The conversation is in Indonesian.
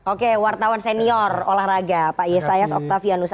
oke wartawan senior olahraga pak yesayas oktavianus